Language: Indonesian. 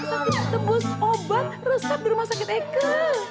sakit tebus obat resap di rumah sakit eike